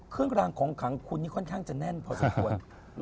เครื่องรางของขังคุณนี่ค่อนข้างจะแน่นพอสมควร